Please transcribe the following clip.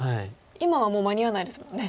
今はもう間に合わないですもんね。